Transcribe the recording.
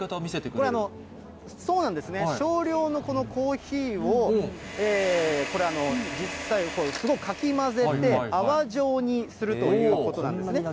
これ、少量のコーヒーを、実際、すごいかき混ぜて泡状にするということなんですね。